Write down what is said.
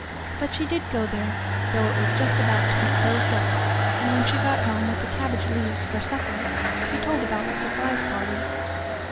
But she did go there, though it was just about to be closed up, and when she got home with the cabbage leaves for supper, she told about the surprise party.